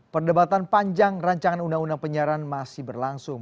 perdebatan panjang rancangan undang undang penyiaran masih berlangsung